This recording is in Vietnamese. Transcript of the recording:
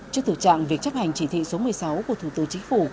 trước thực trạng việc chấp hành chỉ thị số một mươi sáu của thủ tướng chính phủ